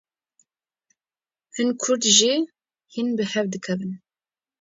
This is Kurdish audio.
Hin Kurd jî hîn bi hev dikevin